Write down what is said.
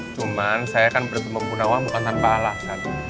cuman saya kan bertemu bu nawang bukan tanpa alasan